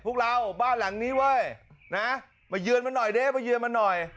พวกเราบ้านหลังนี้เว้ยนะมาเยือนมันหน่อยเด้มาเยือนมันหน่อย